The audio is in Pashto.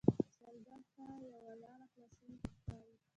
سوالګر ته یوه لاره خلاصون ښکاري